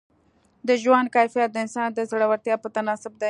د ژوند کیفیت د انسان د زړورتیا په تناسب دی.